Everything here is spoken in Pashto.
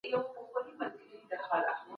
د تاريخ پاڼې له عبرتونو څخه ډکې دي.